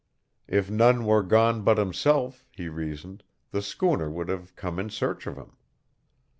If none were gone but himself, he reasoned, the schooner would have come in search of him.